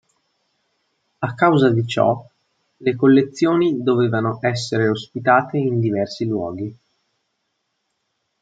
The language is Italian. A causa di ciò, le collezioni dovevano essere ospitate in diversi luoghi.